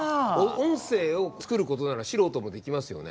音声を作ることならシロウトもできますよね。